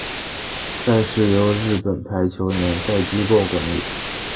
赛事由日本排球联赛机构管理。